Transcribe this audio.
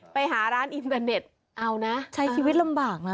ไปหาร้านอินเตอร์เน็ตเอานะใช้ชีวิตลำบากนะ